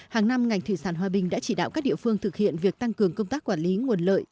hàng năm ngành thủy sản hòa bình đã chỉ đạo các địa phương thực hiện việc tăng cường công tác quản lý nguồn lợi